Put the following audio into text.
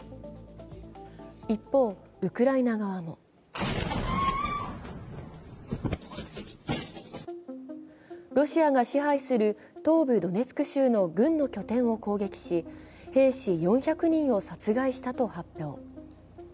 一方、ウクライナ側もロシアが支配する東部ドネツク州の軍の拠点を攻撃し兵士４００人を殺害したと発表。